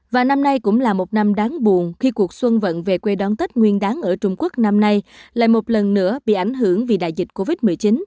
và năm nay cũng là một năm đáng buồn khi cuộc xuân vận về quê đón tết nguyên đáng ở trung quốc năm nay lại một lần nữa bị ảnh hưởng vì đại dịch covid một mươi chín